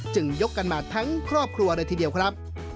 ยกกันมาทั้งครอบครัวเลยทีเดียวครับ